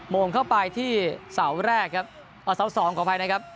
โมงเข้าไปที่เสาแรกครับเอาเสาสองขออภัยนะครับ